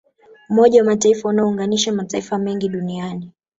umoja wa mataifa unaounganisha mataifa mengi duniani